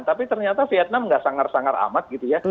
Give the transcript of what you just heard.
tapi ternyata vietnam nggak sangar sangar amat gitu ya